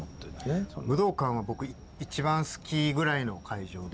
武道館は僕一番好きぐらいの会場で。